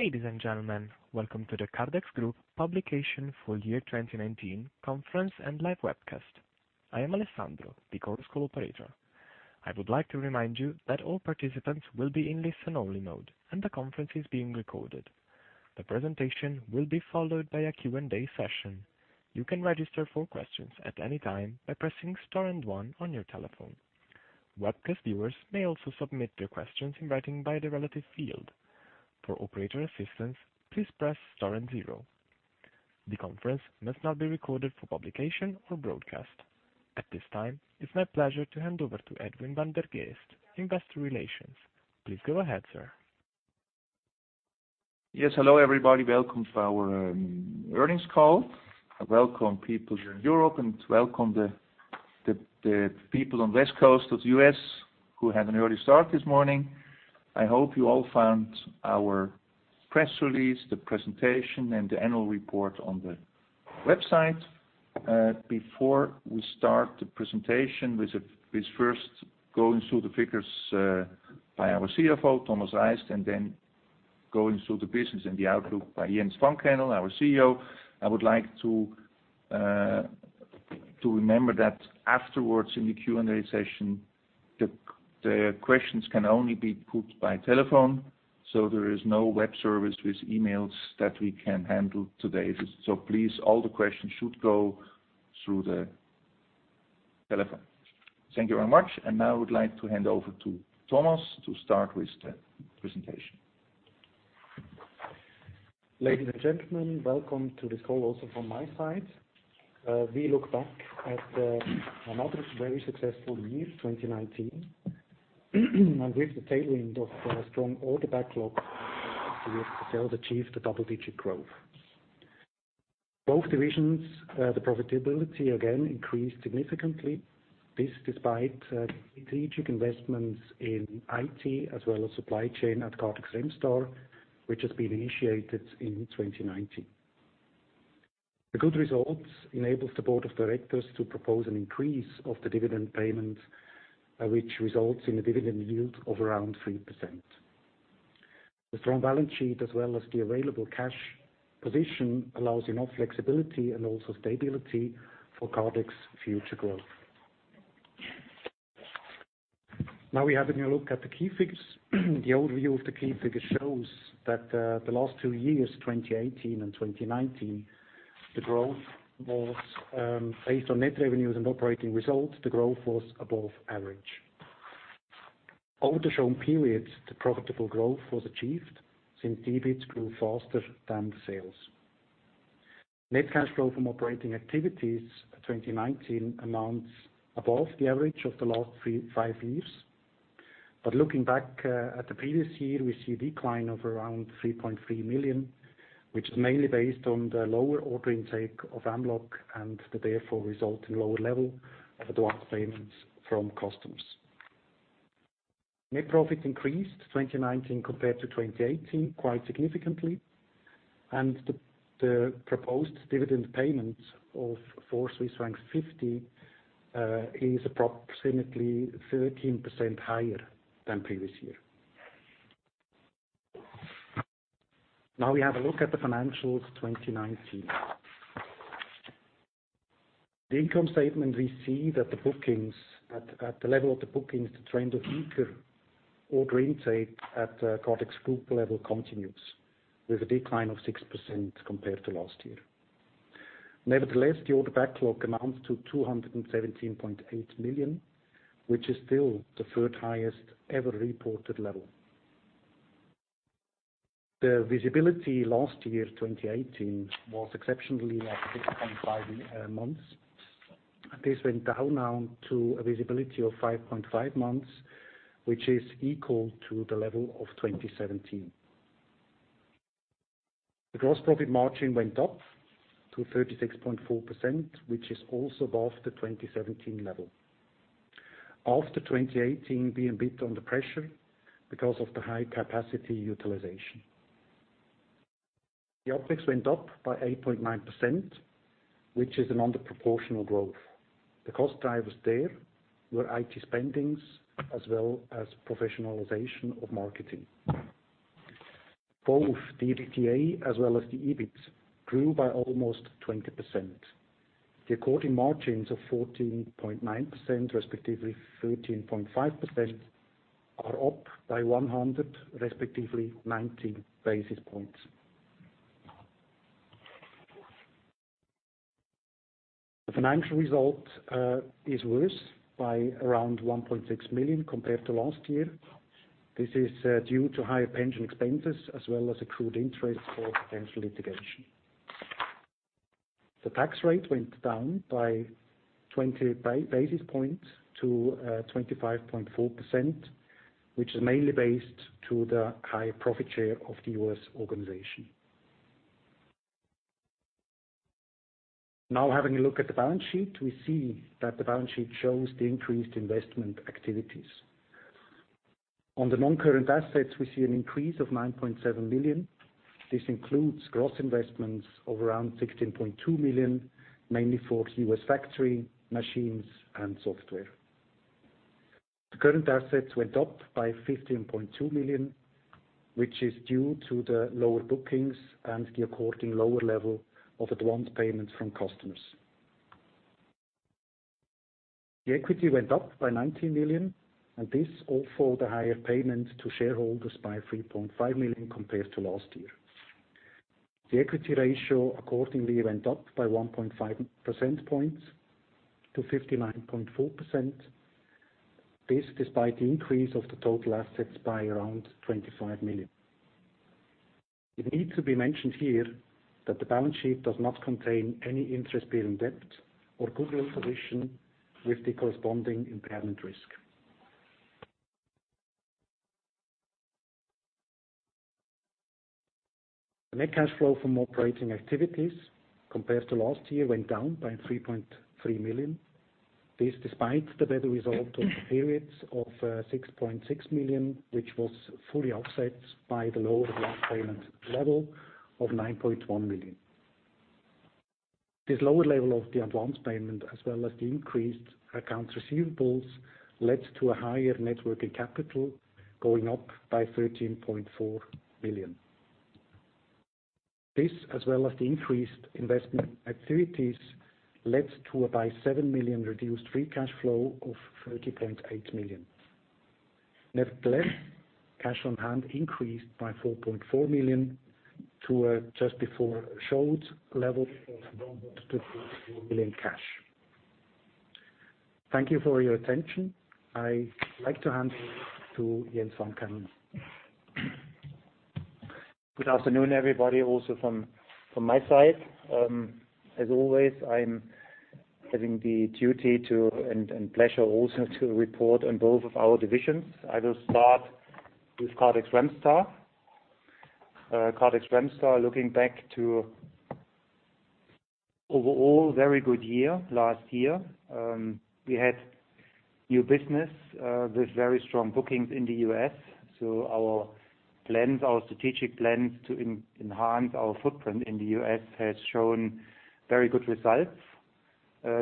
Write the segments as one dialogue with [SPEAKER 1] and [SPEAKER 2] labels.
[SPEAKER 1] Ladies and gentlemen, welcome to the Kardex Group Publication Full Year 2019 Conference and Live Webcast. I am Alessandro, the conference call operator. I would like to remind you that all participants will be in listen only mode, and the conference is being recorded. The presentation will be followed by a Q&A session. You can register for questions at any time by pressing star and one on your telephone. Webcast viewers may also submit their questions in writing by the relative field. For operator assistance, please press star and zero. The conference must not be recorded for publication or broadcast. At this time, it's my pleasure to hand over to Edwin van der Geest, investor relations. Please go ahead, sir.
[SPEAKER 2] Yes. Hello, everybody. Welcome to our earnings call. Welcome people here in Europe, and welcome the people on the West Coast of the U.S. who had an early start this morning. I hope you all found our press release, the presentation, and the annual report on the website. Before we start the presentation, with first going through the figures by our CFO, Thomas Reist, and then going through the business and the outlook by Jens von Kannel, our CEO. I would like to remember that afterwards in the Q&A session, the questions can only be put by telephone, so there is no web service with emails that we can handle today. Please, all the questions should go through the telephone. Thank you very much. Now I would like to hand over to Thomas to start with the presentation.
[SPEAKER 3] Ladies and gentlemen, Welcome to this call also from my side. We look back at another very successful year, 2019. With the tail end of the strong order backlog, we ourselves achieved a double-digit growth. Both divisions, the profitability again increased significantly. This despite strategic investments in IT as well as supply chain at Kardex Remstar, which has been initiated in 2019. The good results enables the board of directors to propose an increase of the dividend payment, which results in a dividend yield of around 3%. The strong balance sheet, as well as the available cash position, allows enough flexibility and also stability for Kardex future growth. We're having a look at the key figures. The overview of the key figures shows that the last two years, 2018 and 2019, the growth was based on net revenues and operating results, the growth was above average. Over the shown periods, the profitable growth was achieved since EBIT grew faster than the sales. Net cash flow from operating activities 2019 amounts above the average of the last five years. Looking back at the previous year, we see a decline of around 3.3 million, which is mainly based on the lower order intake of Kardex Mlog and therefore result in lower level of advance payments from customers. Net profit increased 2019 compared to 2018 quite significantly, and the proposed dividend payment of 4.50 Swiss francs is approximately 13% higher than previous year. Now we have a look at the financials 2019. The income statement, we see that at the level of the bookings, the trend of weaker order intake at Kardex Group level continues with a decline of 6% compared to last year. Nevertheless, the order backlog amounts to 217.8 million, which is still the third highest ever reported level. The visibility last year, 2018, was exceptionally at 6.5 months. This went down now to a visibility of 5.5 months, which is equal to the level of 2017. The gross profit margin went up to 36.4%, which is also above the 2017 level. After 2018, we have been bit under pressure because of the high capacity utilization. The OpEx went up by 8.9%, which is an under proportional growth. The cost drivers there were IT spendings as well as professionalization of marketing. Both the EBITDA as well as the EBIT grew by almost 20%. The according margins of 14.9%, respectively 13.5%, are up by 100, respectively 90 basis points. The financial result is worse by around 1.6 million compared to last year. This is due to higher pension expenses as well as accrued interest for potential litigation. The tax rate went down by 20 basis points to 25.4%, which is mainly based to the high profit share of the U.S. organization. Now, having a look at the balance sheet, we see that the balance sheet shows the increased investment activity. On the non-current assets, we see an increase of 9.7 million. This includes gross investments of around 16.2 million, mainly for U.S. factory, machines, and software. The current assets went up by 15.2 million, which is due to the lower bookings and the according lower level of advance payments from customers. The equity went up by 19 million, and this all for the higher payment to shareholders by 3.5 million compared to last year. The equity ratio accordingly went up by 1.5% points to 59.4%. This despite the increase of the total assets by around 25 million. It needs to be mentioned here that the balance sheet does not contain any interest-bearing debt or goodwill position with the corresponding impairment risk. The net cash flow from operating activities compared to last year went down by 3.3 million. This despite the better result of the periods of 6.6 million, which was fully offset by the lower advance payment level of 9.1 million. This lower level of the advance payment as well as the increased accounts receivables led to a higher net working capital going up by 13.4 million. This, as well as the increased investment activities, led to by 7 million reduced free cash flow of 30.8 million. Nevertheless, cash on hand increased by 4.4 million to a just before showed level of 154 million cash. Thank you for your attention. I'd like to hand over to Jens von Kannel.
[SPEAKER 4] Good afternoon, everybody, also from my side. As always, I'm having the duty and pleasure also to report on both of our divisions. I will start with Kardex Remstar. Kardex Remstar, looking back to overall very good year last year. We had new business with very strong bookings in the U.S., so our strategic plans to enhance our footprint in the U.S. has shown very good results.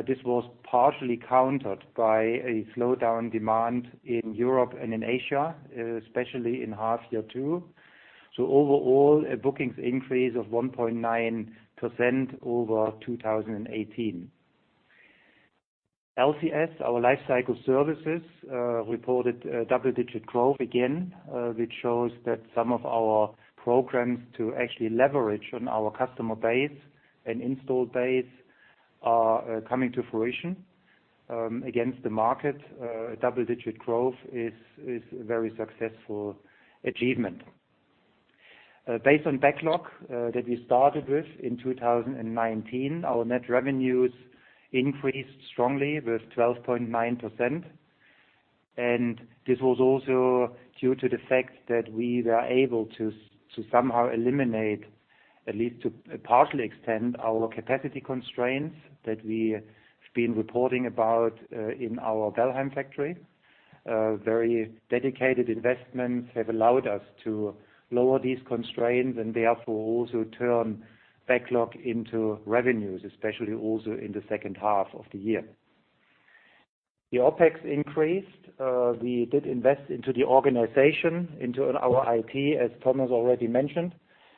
[SPEAKER 4] This was partially countered by a slowdown demand in Europe and in Asia, especially in half year two. Overall, a bookings increase of 1.9% over 2018. LCS, our life cycle services, reported double-digit growth again, which shows that some of our programs to actually leverage on our customer base and install base are coming to fruition, against the market, double-digit growth is a very successful achievement. Based on backlog that we started with in 2019, our net revenues increased strongly with 12.9%. This was also due to the fact that we were able to somehow eliminate, at least to a partial extent, our capacity constraints that we have been reporting about in our Bellheim factory. Very dedicated investments have allowed us to lower these constraints and therefore also turn backlog into revenues, especially also in the second half of the year. The OpEx increased. We did invest into the organization, into our IT, as Thomas already mentioned,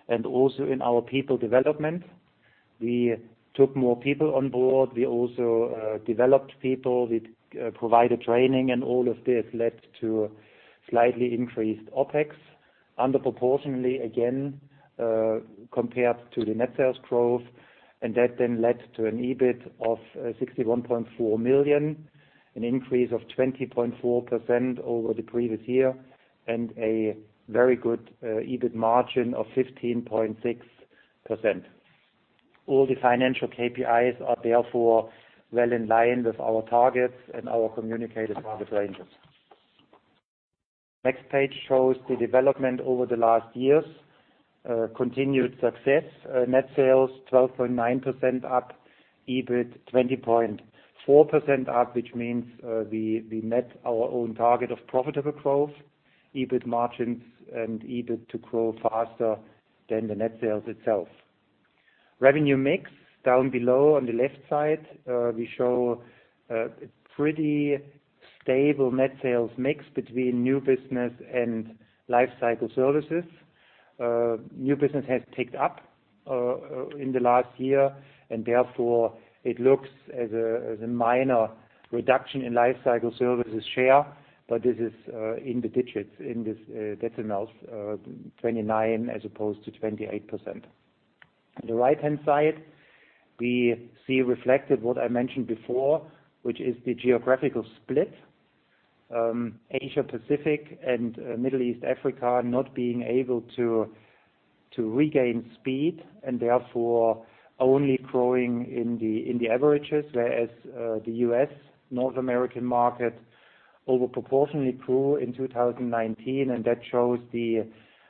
[SPEAKER 4] and also in our people development. We took more people on board. We also developed people. We provided training, all of this led to slightly increased OpEx, under proportionally again, compared to the net sales growth, that then led to an EBIT of 61.4 million, an increase of 20.4% over the previous year and a very good EBIT margin of 15.6%. All the financial KPIs are therefore well in line with our targets and our communicated profit ranges. Next page shows the development over the last years. Continued success. Net sales 12.9% up, EBIT 20.4% up, which means we met our own target of profitable growth, EBIT margins and EBIT to grow faster than the net sales itself. Revenue mix down below on the left side, we show a pretty stable net sales mix between new business and life cycle services. New business has picked up in the last year, therefore it looks as a minor reduction in life cycle services share, but this is in the digits, in these decimals, 29% as opposed to 28%. On the right-hand side, we see reflected what I mentioned before, which is the geographical split. Asia Pacific and Middle East Africa not being able to regain speed, therefore only growing in the averages, whereas the U.S., North American market, over proportionally grew in 2019, that shows the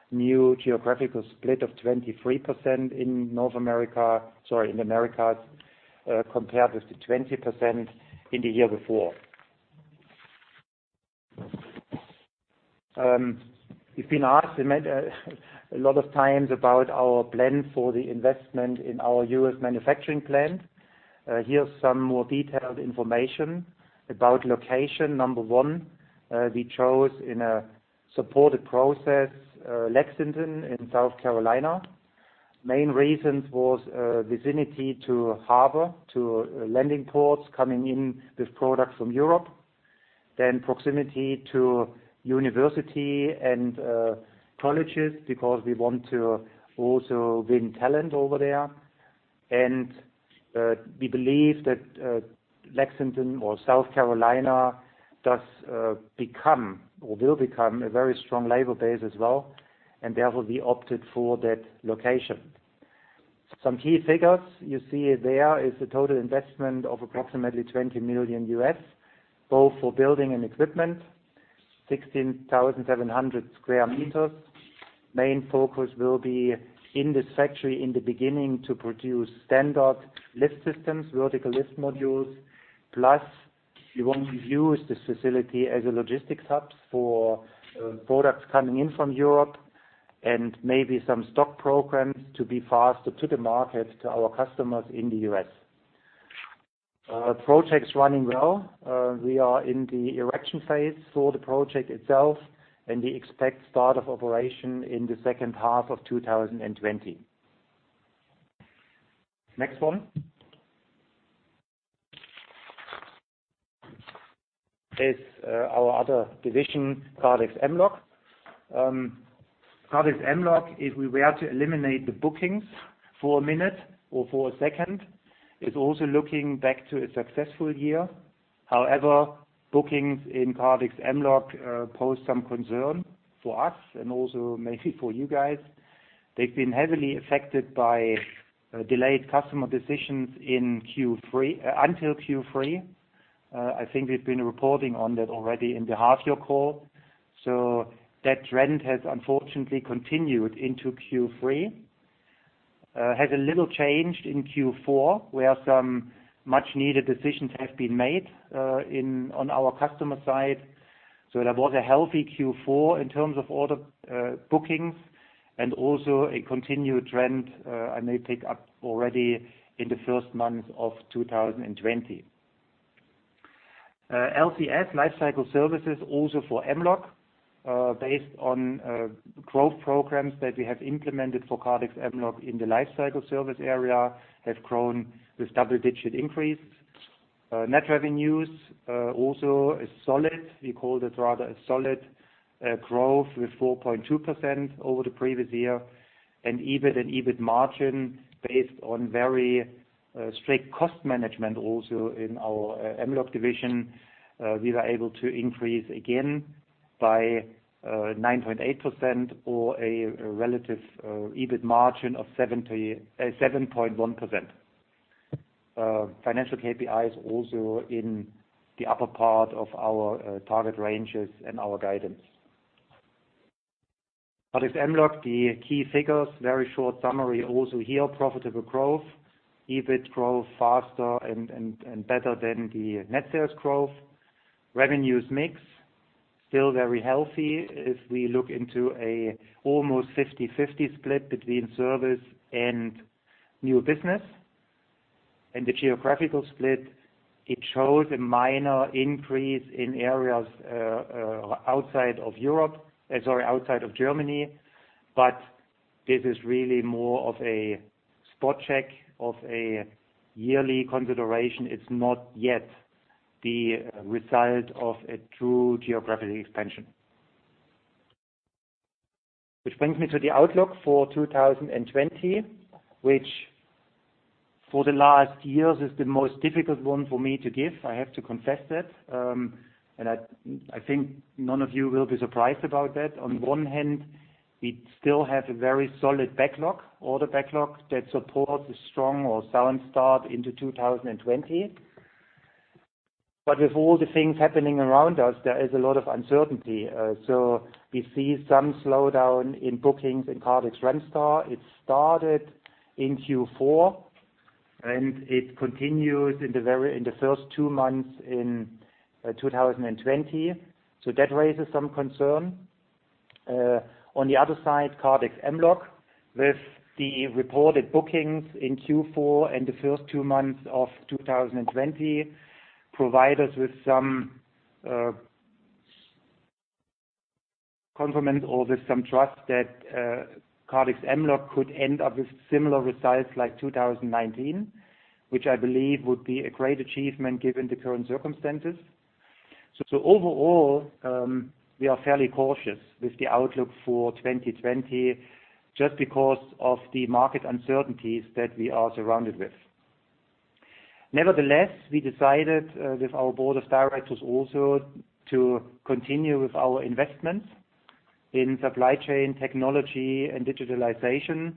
[SPEAKER 4] new geographical split of 23% in North America, sorry, in Americas compared with the 20% in the year before. We've been asked a lot of times about our plan for the investment in our U.S. manufacturing plant. Here's some more detailed information about location. Number 1, we chose, in a supported process, Lexington in South Carolina. Main reasons was vicinity to harbor, to landing ports coming in with products from Europe, then proximity to university and colleges, because we want to also win talent over there. We believe that Lexington or South Carolina does become or will become a very strong labor base as well, and therefore, we opted for that location. Some key figures you see there is a total investment of approximately $20 million, both for building and equipment, 16,700 sq m. Main focus will be in this factory in the beginning to produce standard lift systems, Vertical Lift Modules. We want to use this facility as a logistics hub for products coming in from Europe and maybe some stock programs to be faster to the market to our customers in the U.S. Project's running well. We are in the erection phase for the project itself, and we expect start of operation in the second half of 2020. Next one. Is our other division, Kardex Mlog. Kardex Mlog, if we were to eliminate the bookings for a minute or for a second, is also looking back to a successful year. Bookings in Kardex Mlog pose some concern for us and also maybe for you guys. They've been heavily affected by delayed customer decisions until Q3. I think we've been reporting on that already in the half year call. That trend has unfortunately continued into Q3. Has a little changed in Q4, where some much-needed decisions have been made on our customer side. There was a healthy Q4 in terms of order bookings and also a continued trend, and they pick up already in the first months of 2020. LCS, life cycle services, also for Mlog, based on growth programs that we have implemented for Kardex Mlog in the life cycle service area, have grown with double-digit increase. Net revenues, also a solid, we call this rather a solid growth with 4.2% over the previous year. EBIT and EBIT margin based on very strict cost management also in our Mlog division, we were able to increase again by 9.8% or a relative EBIT margin of 7.1%. Financial KPIs also in the upper part of our target ranges and our guidance. Kardex Mlog, the key figures, very short summary also here, profitable growth. EBIT growth faster and better than the net sales growth. Revenues mix, still very healthy if we look into a almost 50/50 split between service and new business. The geographical split, it shows a minor increase in areas outside of Germany, but this is really more of a spot check of a yearly consideration. It's not yet the result of a true geographic expansion. Which brings me to the outlook for 2020, which for the last years is the most difficult one for me to give. I have to confess that. I think none of you will be surprised about that. On one hand, we still have a very solid backlog, order backlog, that supports a strong or sound start into 2020. With all the things happening around us, there is a lot of uncertainty. We see some slowdown in bookings in Kardex Remstar. It started in Q4, and it continues in the first two months in 2020. That raises some concern. On the other side, Kardex Mlog, with the reported bookings in Q4 and the first two months of 2020, provide us with some compliment or with some trust that Kardex Mlog could end up with similar results like 2019, which I believe would be a great achievement given the current circumstances. Overall, we are fairly cautious with the outlook for 2020 just because of the market uncertainties that we are surrounded with. Nevertheless, we decided with our board of directors also to continue with our investments in supply chain technology and digitalization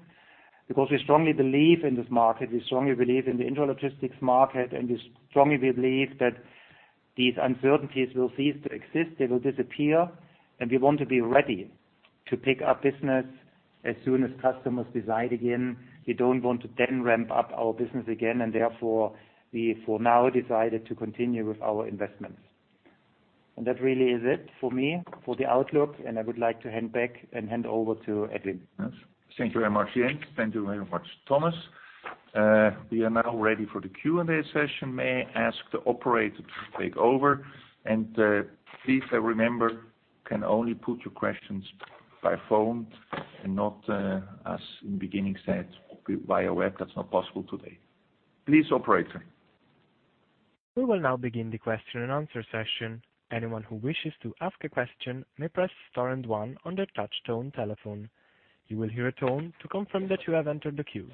[SPEAKER 4] because we strongly believe in this market, we strongly believe in the intralogistics market, and we strongly believe that these uncertainties will cease to exist, they will disappear, and we want to be ready to pick up business as soon as customers decide again. We don't want to then ramp up our business again, and therefore we, for now, decided to continue with our investments. That really is it for me for the outlook, and I would like to hand back and hand over to Edwin.
[SPEAKER 2] Yes. Thank you very much, Jens. Thank you very much, Thomas. We are now ready for the Q&A session, may I ask the operator to take over, please remember, can only put your questions by phone and not as in beginning said, via web, that's not possible today. Please, operator.
[SPEAKER 1] We will now begin the question and answer session. Anyone who wishes to ask a question may press star and 1 on their touch tone telephone. You will hear a tone to confirm that you have entered the queue.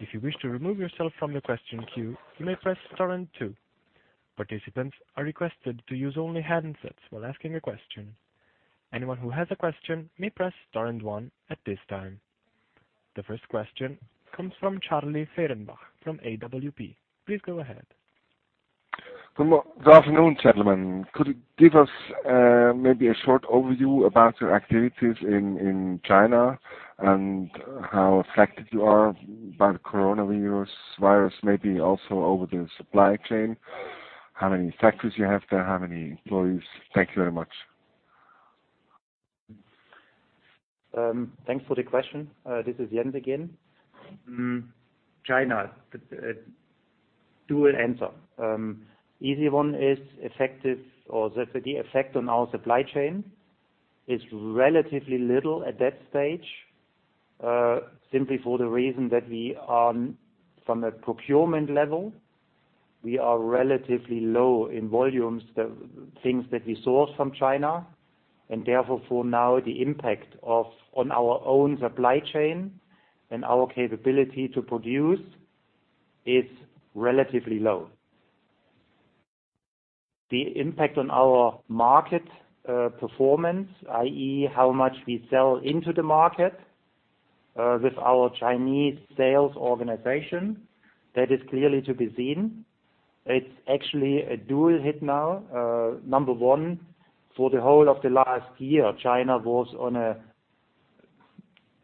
[SPEAKER 1] If you wish to remove yourself from the question queue, you may press star and 2. Participants are requested to use only handsets while asking a question. Anyone who has a question may press star and 1 at this time. The first question comes from Charlie Fehrenbach from AWP. Please go ahead.
[SPEAKER 5] Good afternoon, gentlemen. Could you give us maybe a short overview about your activities in China and how affected you are by the coronavirus virus, maybe also over the supply chain, how many factories you have there, how many employees? Thank you very much.
[SPEAKER 4] Thanks for the question. This is Jens again. China, dual answer. Easy one is the effect on our supply chain is relatively little at that stage, simply for the reason that we are from a procurement level, we are relatively low in volumes, the things that we source from China, therefore for now, the impact on our own supply chain and our capability to produce is relatively low. The impact on our market, performance, i.e., how much we sell into the market, with our Chinese sales organization, that is clearly to be seen. It's actually a dual hit now. Number one, for the whole of the last year, China was on a,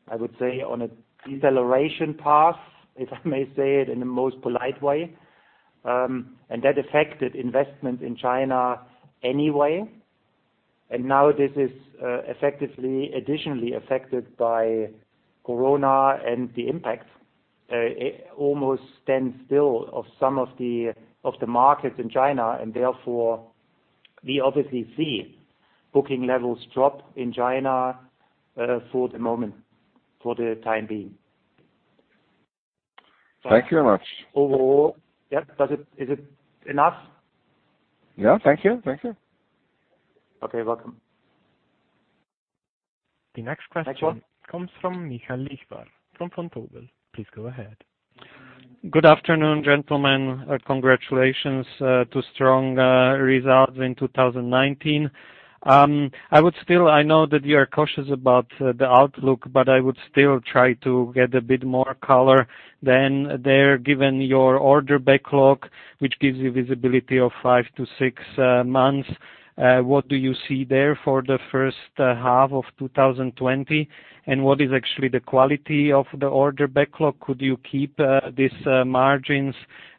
[SPEAKER 4] I would say, on a deceleration path, if I may say it in the most polite way, and that affected investment in China anyway, and now this is effectively additionally affected by Corona and the impact, almost standstill of some of the markets in China, and therefore we obviously see booking levels drop in China for the moment, for the time being.
[SPEAKER 5] Thank you very much.
[SPEAKER 4] Yeah, is it enough?
[SPEAKER 5] Yeah. Thank you.
[SPEAKER 4] Okay. Welcome.
[SPEAKER 1] The next question comes from Michael Lichvar from Vontobel. Please go ahead.
[SPEAKER 6] Good afternoon, gentlemen. Congratulations to strong results in 2019. I know that you are cautious about the outlook, I would still try to get a bit more color than there, given your order backlog, which gives you visibility of five to six months, what do you see there for the first half of 2020? What is actually the quality of the order backlog? Could you keep these margins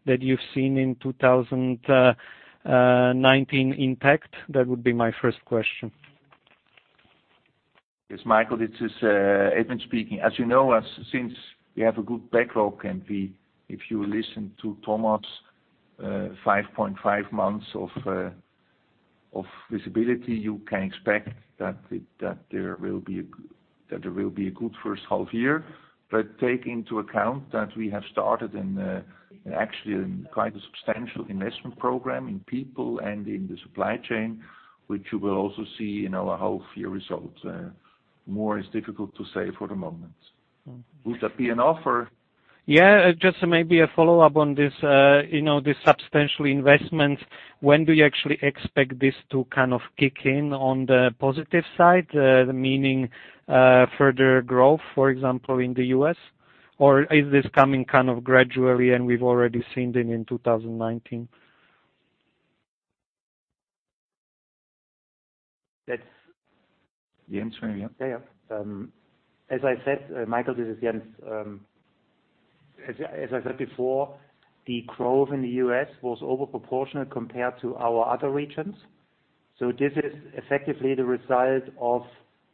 [SPEAKER 6] that you've seen in 2019 intact? That would be my first question.
[SPEAKER 2] Yes, Michael. This is Edwin speaking. As you know, since we have a good backlog, and if you listen to Thomas, 5.5 months of visibility, you can expect that there will be a good first half year. Take into account that we have started in actually quite a substantial investment program in people and in the supply chain, which you will also see in our full year results. More is difficult to say for the moment. Would that be enough or?
[SPEAKER 6] Yeah. Just maybe a follow-up on this substantial investment. When do you actually expect this to kind of kick in on the positive side, meaning, further growth, for example, in the U.S.? [Or] is this coming kind of gradually and we've already seen them in 2019?
[SPEAKER 4] That's.
[SPEAKER 2] Jens, maybe, yeah.
[SPEAKER 4] Yeah. As I said, Michael, this is Jens. As I said before, the growth in the U.S. was over proportional compared to our other regions. This is effectively the result of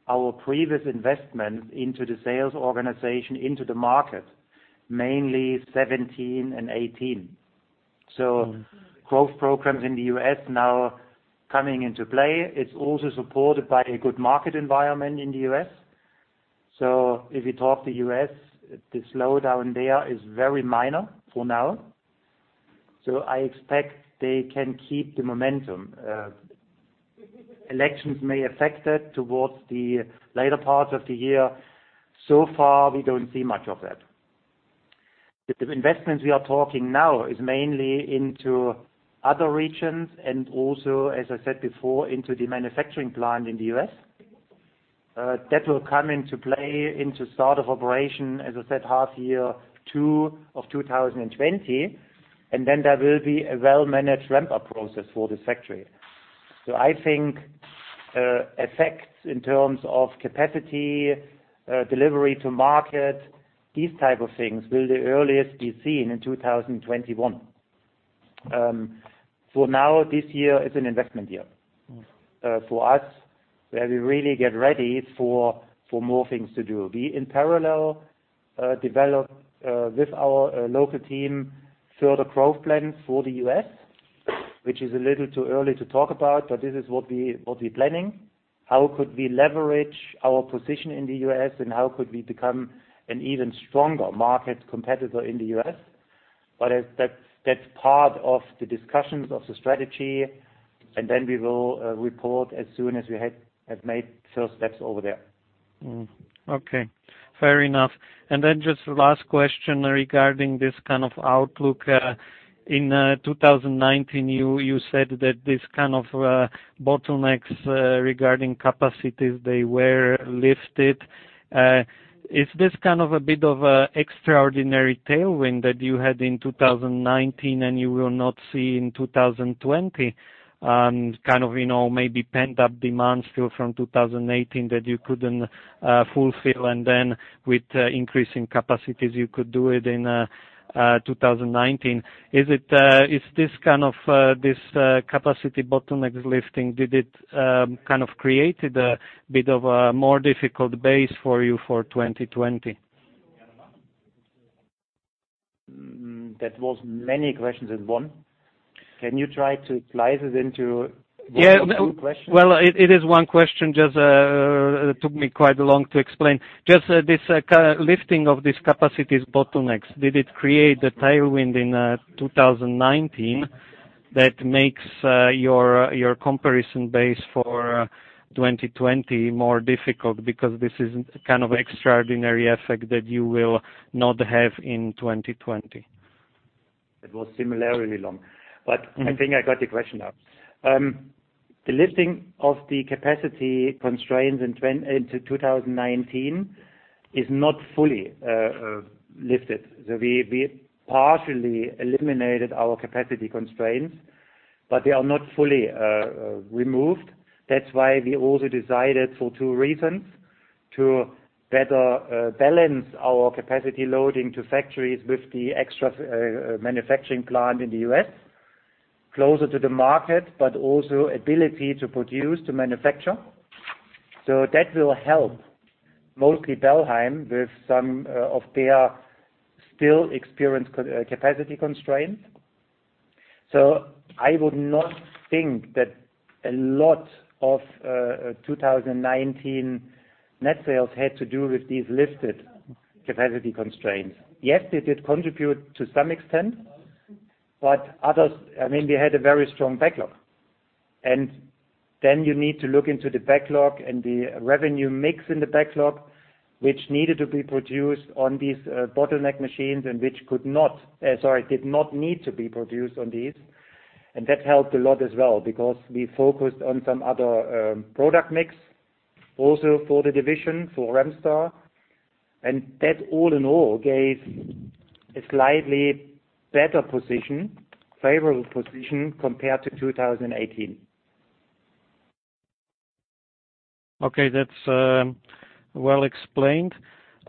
[SPEAKER 4] our previous investment into the sales organization, into the market, mainly 2017 and 2018. Growth programs in the U.S. now coming into play. It's also supported by a good market environment in the U.S. If you talk the U.S., the slowdown there is very minor for now. I expect they can keep the momentum. Elections may affect it towards the later part of the year. Far, we don't see much of that. The investments we are talking now is mainly into other regions, and also, as I said before, into the manufacturing plant in the U.S. That will come into play into start of operation, as I said, half year two of 2020. Then there will be a well-managed ramp-up process for this factory. So I think effects in terms of capacity, delivery to market, these type of things will the earliest be seen in 2021. Now this year is an investment year for us, where we really get ready for more things to do. We, in parallel, develop, with our local team, further growth plans for the U.S., which is a little too early to talk about. This is what we're planning. How could we leverage our position in the U.S.? How could we become an even stronger market competitor in the U.S.? That's part of the discussions of the strategy. Then we will report as soon as we have made first steps over there.
[SPEAKER 6] Okay. Fair enough. Just last question regarding this kind of outlook. In 2019, you said that this kind of bottlenecks regarding capacities, they were lifted. Is this a bit of an extraordinary tailwind that you had in 2019 and you will not see in 2020? Maybe pent-up demand still from 2018 that you couldn't fulfill, with increasing capacities, you could do it in 2019. Is this capacity bottlenecks lifting, did it create a bit of a more difficult base for you for 2020?
[SPEAKER 4] That was many questions in one. Can you try to slice it into one or two questions?
[SPEAKER 6] Well, it is one question, just took me quite long to explain. Just this lifting of this capacities bottlenecks, did it create a tailwind in 2019 that makes your comparison base for 2020 more difficult because this is kind of extraordinary effect that you will not have in 2020?
[SPEAKER 4] That was similarly long. I think I got the question now. The lifting of the capacity constraints into 2019 is not fully lifted. We partially eliminated our capacity constraints, but they are not fully removed. That's why we also decided for two reasons, to better balance our capacity loading to factories with the extra manufacturing plant in the U.S., closer to the market, but also ability to produce, to manufacture. That will help mostly Bellheim with some of their still experienced capacity constraints. I would not think that a lot of 2019 net sales had to do with these lifted capacity constraints. Yes, they did contribute to some extent. We had a very strong backlog. Then you need to look into the backlog and the revenue mix in the backlog, which needed to be produced on these bottleneck machines and which could not, sorry, did not need to be produced on these. That helped a lot as well, because we focused on some other product mix also for the division, for Remstar. That all in all, gave a slightly better position, favorable position, compared to 2018.
[SPEAKER 6] Okay, that's well explained.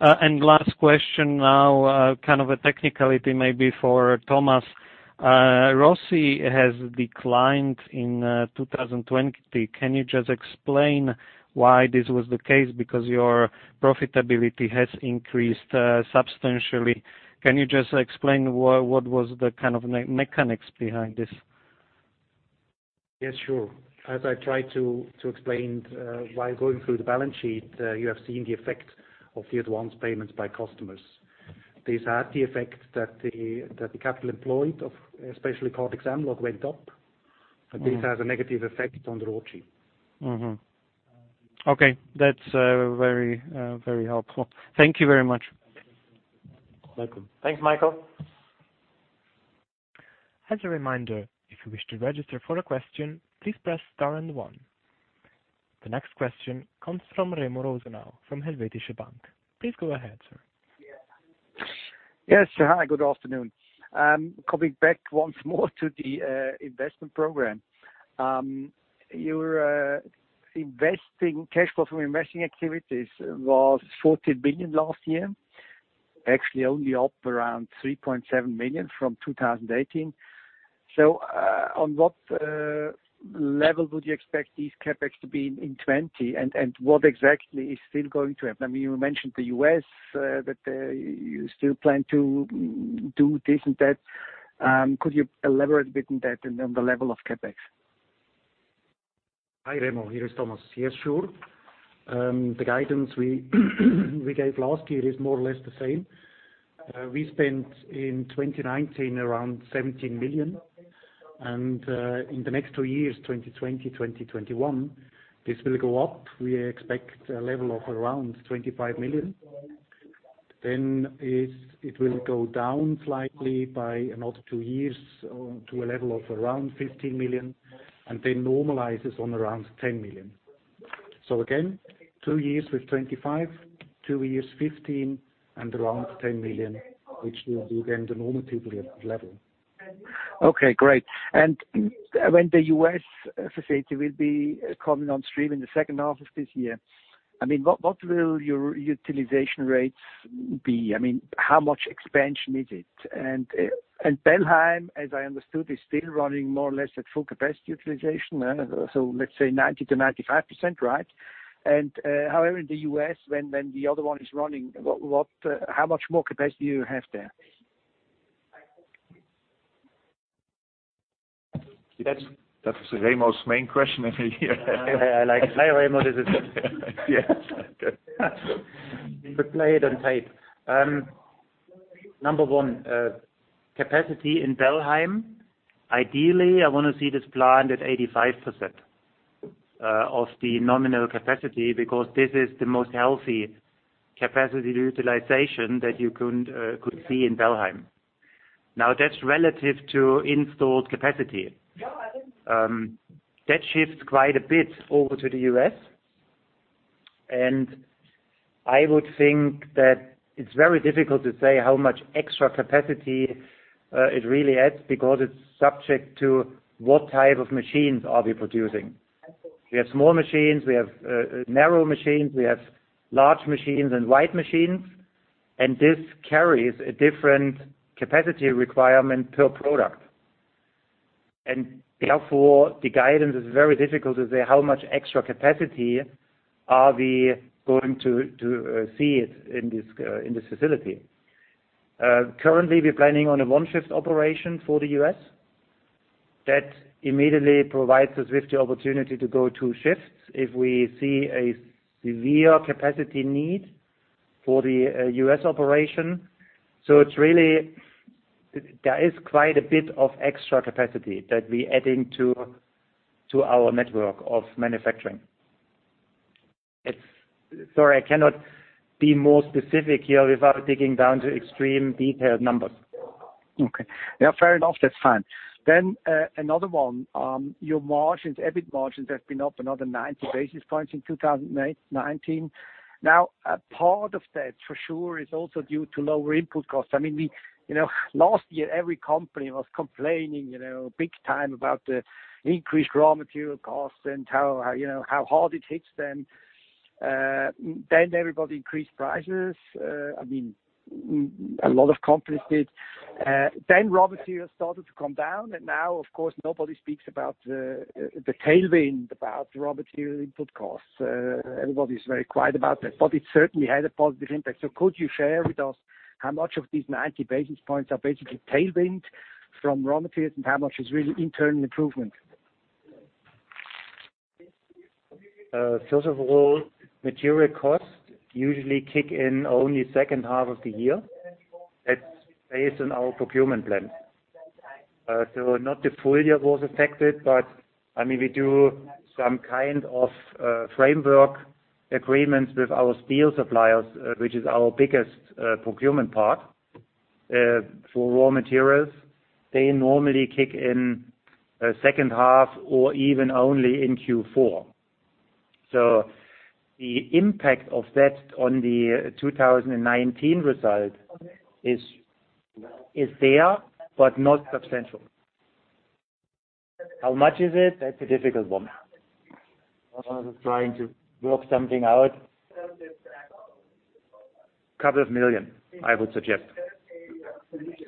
[SPEAKER 6] Last question now, kind of a technicality maybe for Thomas. ROSI has declined in 2020. Can you just explain why this was the case? Your profitability has increased substantially. Can you just explain what was the kind of mechanics behind this?
[SPEAKER 3] Yes, sure. As I tried to explain while going through the balance sheet, you have seen the effect of the advance payments by customers. These had the effect that the capital employed, of especially Kardex Mlog, went up, and this has a negative effect on the ROSI.
[SPEAKER 6] Okay. That's very helpful. Thank you very much.
[SPEAKER 4] Welcome. Thanks, Michael.
[SPEAKER 1] As a reminder, if you wish to register for a question, please press star and one. The next question comes from Remo Rosenau, from Helvetische Bank. Please go ahead, sir.
[SPEAKER 7] Yes, hi, good afternoon. Coming back once more to the investment program. Your cash flow from investing activities was 14 billion last year, actually only up around 3.7 million from 2018. On what level would you expect these CapEx to be in 2020, and what exactly is still going to happen? You mentioned the U.S., that you still plan to do this and that. Could you elaborate a bit on that and on the level of CapEx?
[SPEAKER 3] Hi, Remo. Here is Thomas. Yes, sure. The guidance we gave last year is more or less the same. We spent in 2019 around 17 million, and in the next two years, 2020, 2021, this will go up. We expect a level of around 25 million. It will go down slightly by another two years to a level of around 15 million, and then normalizes on around 10 million. Again, two years with 25 million, two years 15 million, and around 10 million, which will be again, the normative level.
[SPEAKER 7] Okay, great. When the U.S. facility will be coming on stream in the second half of this year, what will your utilization rates be? How much expansion is it? Bellheim, as I understood, is still running more or less at full capacity utilization. Let's say 90%-95%, right? However, in the U.S., when the other one is running, how much more capacity do you have there?
[SPEAKER 2] That's Remo's main question.
[SPEAKER 4] I like it. Hi, Remo.
[SPEAKER 7] Yes.
[SPEAKER 4] We play it on tape. Number one, capacity in Bellheim. Ideally, I want to see this plant at 85% of the nominal capacity, because this is the most healthy capacity utilization that you could see in Bellheim. Now, that's relative to installed capacity. That shifts quite a bit over to the U.S., and I would think that it's very difficult to say how much extra capacity it really adds because it's subject to what type of machines are we producing. We have small machines, we have narrow machines, we have large machines and wide machines, and this carries a different capacity requirement per product. Therefore, the guidance is very difficult to say how much extra capacity are we going to see it in this facility. Currently, we're planning on a 1-shift operation for the U.S. That immediately provides us with the opportunity to go two shifts if we see a severe capacity need for the U.S. operation. There is quite a bit of extra capacity that we're adding to our network of manufacturing. Sorry, I cannot be more specific here without digging down to extreme detailed numbers.
[SPEAKER 7] Okay. Yeah, fair enough. That's fine. Another one. Your margins, EBIT margins, have been up another 90 basis points in 2019. A part of that, for sure, is also due to lower input costs. Last year, every company was complaining big time about the increased raw material costs and how hard it hits them. Everybody increased prices. A lot of companies did. Raw materials started to come down, and now, of course, nobody speaks about the tailwind, about raw material input costs. Everybody's very quiet about that, but it certainly had a positive impact. Could you share with us how much of these 90 basis points are basically tailwind from raw materials and how much is really internal improvement?
[SPEAKER 4] First of all, material costs usually kick in only second half of the year. That's based on our procurement plan. Not the full year was affected, but we do some kind of framework agreements with our steel suppliers, which is our biggest procurement part, for raw materials. They normally kick in second half or even only in Q4. The impact of that on the 2019 result is there, but not substantial. How much is it? That's a difficult one. I'm trying to work something out. CHF a couple of million, I would suggest.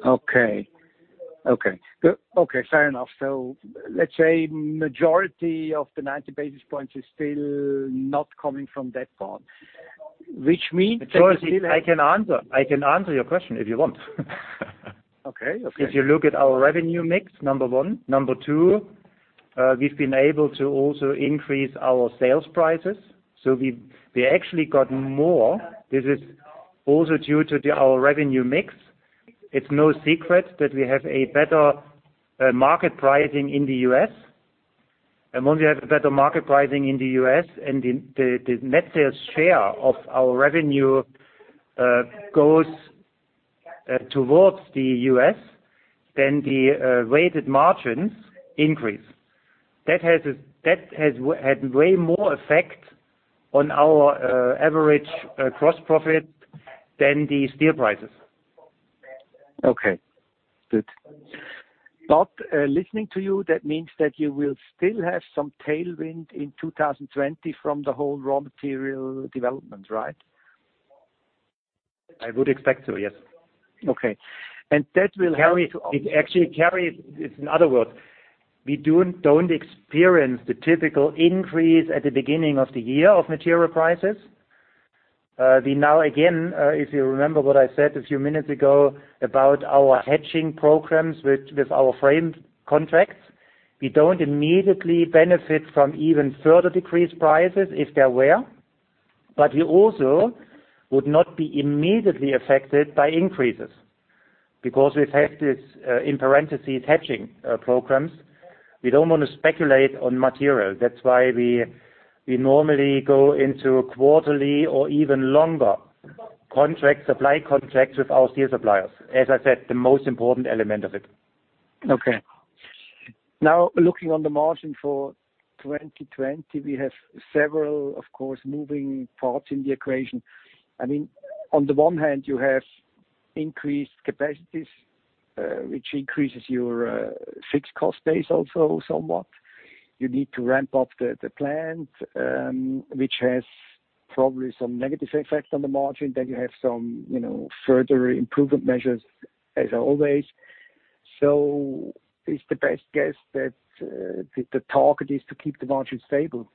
[SPEAKER 7] Okay. Fair enough. Let's say majority of the 90 basis points is still not coming from that part, which means.
[SPEAKER 4] [Remo], I can answer your question if you want.
[SPEAKER 7] Okay.
[SPEAKER 4] If you look at our revenue mix, number one. Number two, we've been able to also increase our sales prices. We actually got more. This is also due to our revenue mix. It's no secret that we have a better market pricing in the U.S. The moment we have a better market pricing in the U.S. and the net sales share of our revenue goes towards the U.S., then the weighted margins increase. That had way more effect on our average gross profit than the steel prices.
[SPEAKER 7] Okay, good. Listening to you, that means that you will still have some tailwind in 2020 from the whole raw material development, right?
[SPEAKER 4] I would expect to, yes.
[SPEAKER 7] Okay. That will help.
[SPEAKER 4] It actually carries, in other words, we don't experience the typical increase at the beginning of the year of material prices. We now, again, if you remember what I said a few minutes ago about our hedging programs with our frame contracts, we don't immediately benefit from even further decreased prices if there were. We also would not be immediately affected by increases because we've had these, in parentheses, hedging programs. We don't want to speculate on material. That's why we normally go into quarterly or even longer supply contracts with our steel suppliers. As I said, the most important element of it.
[SPEAKER 7] Okay. Looking on the margin for 2020, we have several, of course, moving parts in the equation. On the one hand, you have increased capacities, which increases your fixed cost base also somewhat. You need to ramp up the plant, which has probably some negative effect on the margin. You have some further improvement measures as always. It's the best guess that the target is to keep the margin stable.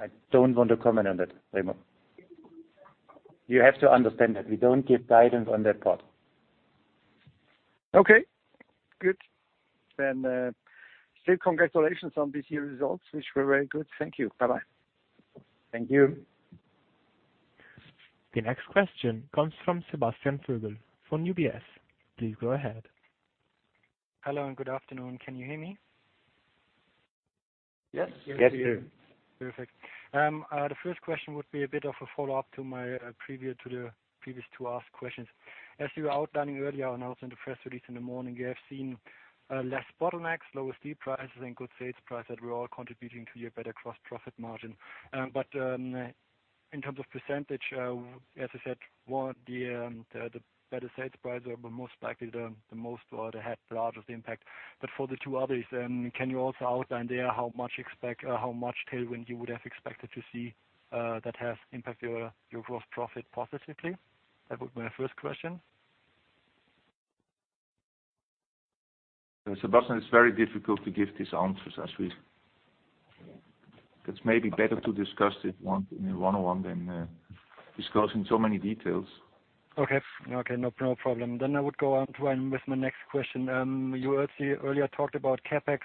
[SPEAKER 4] I don't want to comment on that, Remo. You have to understand that we don't give guidance on that part.
[SPEAKER 7] Okay, good. Still congratulations on this year's results, which were very good. Thank you. Bye-bye.
[SPEAKER 4] Thank you.
[SPEAKER 1] The next question comes from Sebastian Geuecke from UBS. Please go ahead.
[SPEAKER 8] Hello, and good afternoon. Can you hear me?
[SPEAKER 4] Yes.
[SPEAKER 8] Perfect. The first question would be a bit of a follow-up to the previous two asked questions. As you were outlining earlier, and also in the press release in the morning, you have seen less bottlenecks, lower steel prices, and good sales price that were all contributing to your better gross profit margin. In terms of percentage, as I said, the better sales price were most likely the most, or they had the largest impact. For the two others, can you also outline there how much tailwind you would have expected to see that has impact your gross profit positively? That was my first question.
[SPEAKER 2] Sebastian, it's very difficult to give these answers. It's maybe better to discuss it one-on-one than discuss in so many details.
[SPEAKER 8] Okay. No problem. I would go on with my next question. You earlier talked about CapEx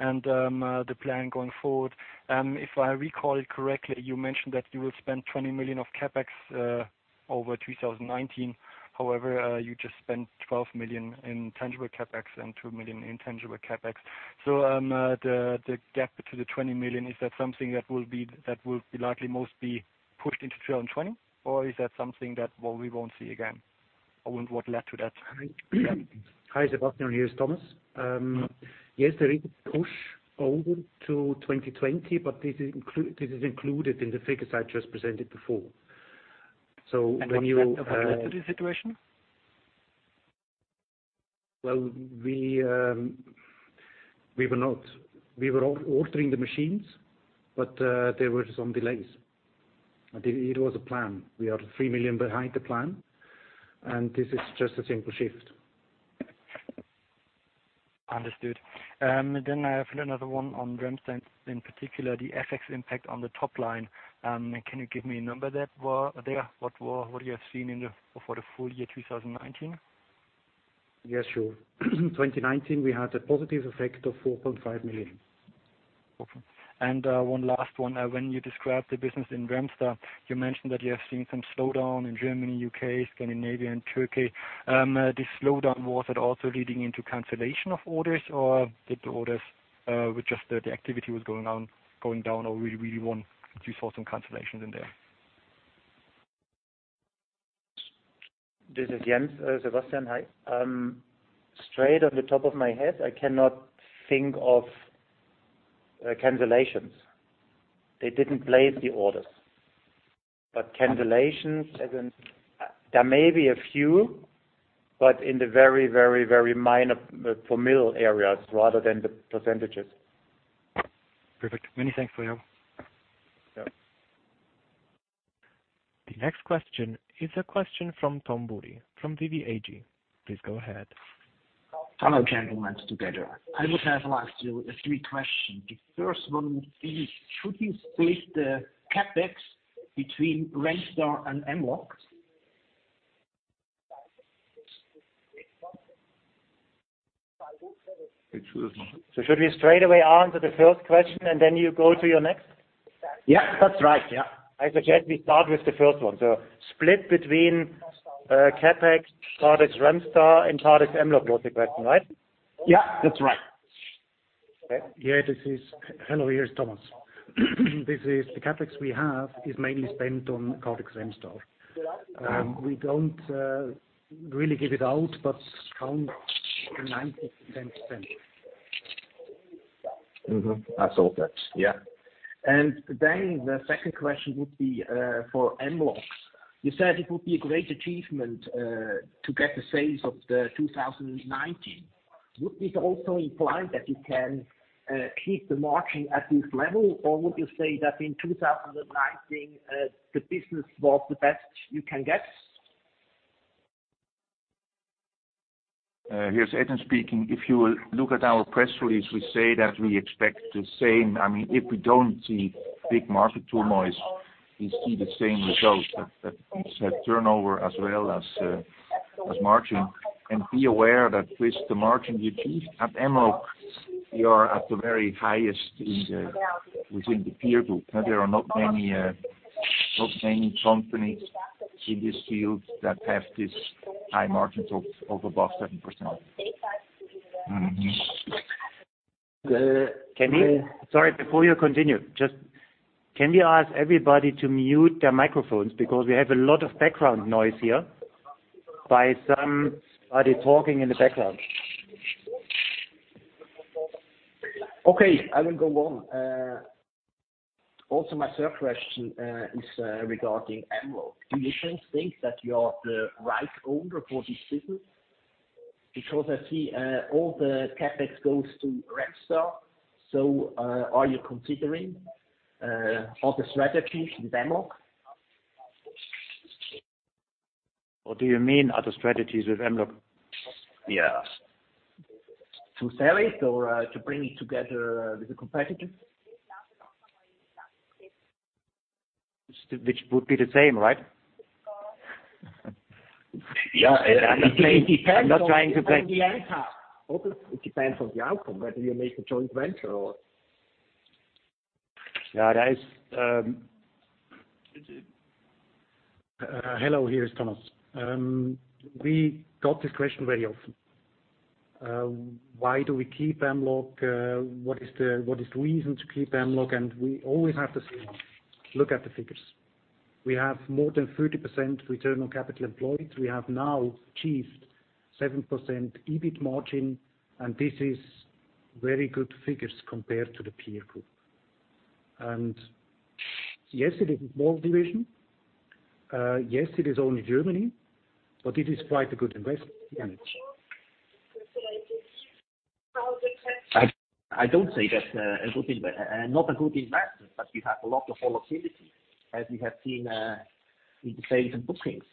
[SPEAKER 8] and the plan going forward. If I recall it correctly, you mentioned that you will spend 20 million of CapEx over 2019. However, you just spent 12 million in tangible CapEx and 2 million in intangible CapEx. The gap to the 20 million, is that something that will be likely mostly pushed into 2020? Is that something that we won't see again? What led to that?
[SPEAKER 3] Hi, Sebastian. Here is Thomas. There is a push over to 2020, but this is included in the figures I just presented before.
[SPEAKER 8] What led to this situation?
[SPEAKER 3] Well, we were ordering the machines, there were some delays. It was a plan. We are 3 million behind the plan, this is just a simple shift.
[SPEAKER 8] Understood. I have another one on Remstar, in particular, the FX impact on the top line. Can you give me a number there? What you have seen for the full year 2019?
[SPEAKER 3] Yes, sure. 2019, we had a positive effect of 4.5 million.
[SPEAKER 8] Okay. One last one. When you described the business in Remstar, you mentioned that you have seen some slowdown in Germany, U.K., Scandinavia, and Turkey. This slowdown, was it also leading into cancellation of orders, or did the orders, with just the activity was going down, or really you saw some cancellations in there?
[SPEAKER 4] This is Jens. Sebastian, hi. Straight on the top of my head, I cannot think of cancellations. They didn't place the orders. Cancellations, as in, there may be a few, but in the very minor, de minimis areas rather than the percentages.
[SPEAKER 8] Perfect. Many thanks to you.
[SPEAKER 4] Yeah.
[SPEAKER 1] The next question is a question from Tom Bury from DBAG. Please go ahead.
[SPEAKER 9] Hello, gentlemen, together. I would have liked to ask you three questions. The first one would be, should we split the CapEx between Remstar and Mlog?
[SPEAKER 2] Which was?
[SPEAKER 4] Should we straight away answer the first question, and then you go to your next?
[SPEAKER 9] Yeah, that's right. Yeah.
[SPEAKER 4] I suggest we start with the first one, so split between CapEx, Kardex Remstar, and Kardex Mlog was the question, right?
[SPEAKER 9] Yeah, that's right.
[SPEAKER 3] Hello, here is Thomas. This is the CapEx we have is mainly spent on Kardex Remstar. We don't really give it out, but around 90%-100%.
[SPEAKER 9] I thought that. The second question would be for Mlog. You said it would be a great achievement to get the sales of the 2019. Would this also imply that you can keep the margin at this level, or would you say that in 2019, the business was the best you can get?
[SPEAKER 2] Here is [Edwin] speaking. If you look at our press release, we say that we expect the same. If we don't see big market turmoil, we see the same result, that turnover as well as margin. Be aware that with the margin we achieved at Mlog, we are at the very highest within the peer group. There are not many companies in this field that have this high margins of above 7%.
[SPEAKER 4] Sorry, before you continue. Can we ask everybody to mute their microphones? We have a lot of background noise here by somebody talking in the background.
[SPEAKER 9] Okay, I will go on. My third question is regarding Mlog. Do you still think that you are the right owner for this business? I see all the CapEx goes to Remstar. Are you considering other strategies with Mlog?
[SPEAKER 4] What do you mean other strategies with Mlog?
[SPEAKER 9] Yeah. To sell it or to bring it together with a competitor.
[SPEAKER 4] Which would be the same, right?
[SPEAKER 9] Yeah. It depends on the outcome, whether you make a joint venture or
[SPEAKER 4] Yeah, that is.
[SPEAKER 3] Hello, here is Thomas. We got this question very often. Why do we keep Kardex Mlog? What is the reason to keep Kardex Mlog? We always have the same. Look at the figures. We have more than 30% return on capital employed. We have now achieved 7% EBIT margin, and this is very good figures compared to the peer group. Yes, it is a small division. Yes, it is only Germany, but it is quite a good investment in the end.
[SPEAKER 9] I don't say that. Not a good investment. We have a lot of volatility as we have seen in the sales and bookings.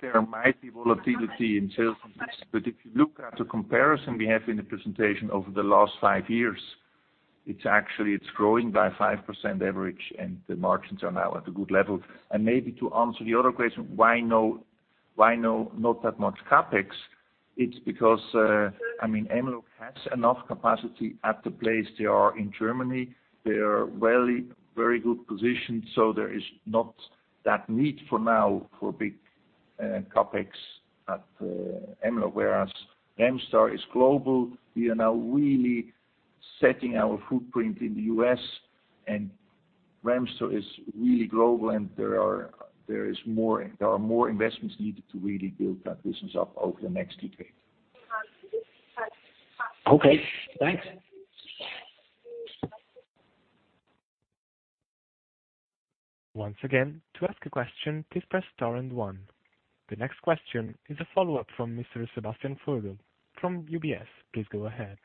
[SPEAKER 3] There might be volatility in sales and bookings, but if you look at the comparison we have in the presentation over the last five years, it's growing by 5% average and the margins are now at a good level. Maybe to answer the other question, why not that much CapEx? It's because Kardex Mlog has enough capacity at the place they are in Germany. They are very good positioned, so there is not that need for now for big CapEx at Kardex Mlog. Whereas Remstar is global. We are now really setting our footprint in the U.S., and Remstar is really global and there are more investments needed to really build that business up over the next decade.
[SPEAKER 9] Okay, thanks.
[SPEAKER 1] Once again, to ask a question, please press star and one. The next question is a follow-up from Mr. Sebastian Geuecke from UBS. Please go ahead.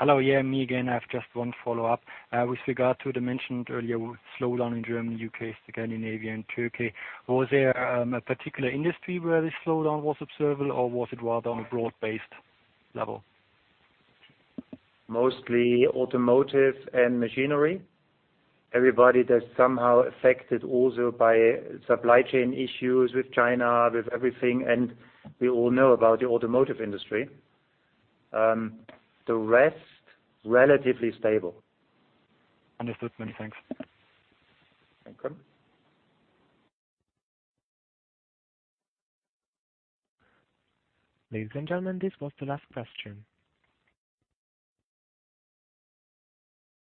[SPEAKER 8] Hello. Yeah, me again. I have just one follow-up. With regard to the mentioned earlier slowdown in Germany, U.K., Scandinavia and Turkey, was there a particular industry where the slowdown was observable or was it rather on a broad-based level?
[SPEAKER 4] Mostly automotive and machinery. Everybody that's somehow affected also by supply chain issues with China, with everything, and we all know about the automotive industry. The rest, relatively stable.
[SPEAKER 8] Understood. Many thanks.
[SPEAKER 4] Welcome.
[SPEAKER 1] Ladies and gentlemen, this was the last question.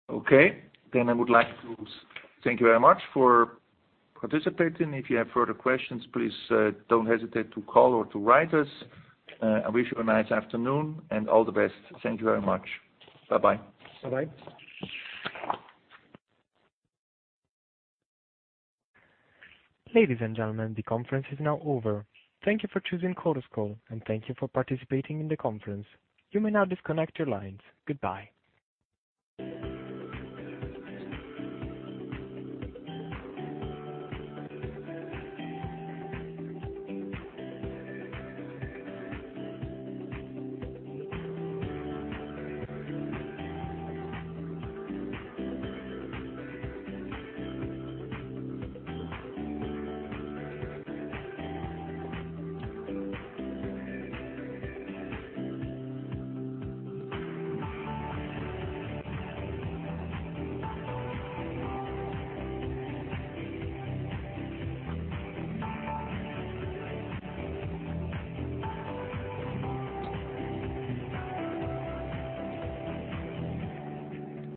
[SPEAKER 4] Okay, I would like to thank you very much for participating. If you have further questions, please don't hesitate to call or to write us. I wish you a nice afternoon and all the best. Thank you very much. Bye-bye.
[SPEAKER 3] Bye-bye.
[SPEAKER 1] Ladies and gentlemen, the conference is now over. Thank you for choosing Chorus Call and thank you for participating in the conference. You may now disconnect your lines. Goodbye.